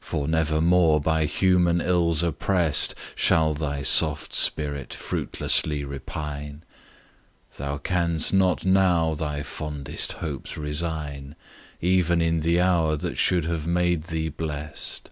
For never more by human ills opprest Shall thy soft spirit fruitlessly repine: Thou canst not now thy fondest hopes resign Even in the hour that should have made thee blest.